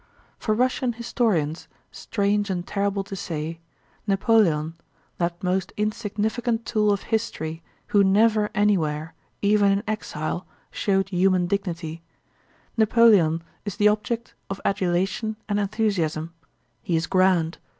For Russian historians, strange and terrible to say, Napoleon—that most insignificant tool of history who never anywhere, even in exile, showed human dignity—Napoleon is the object of adulation and enthusiasm; he is grand.